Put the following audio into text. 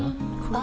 あ！